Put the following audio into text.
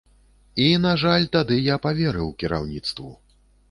І, на жаль, тады я паверыў кіраўніцтву.